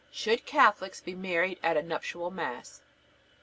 Should Catholics be married at a nuptial Mass?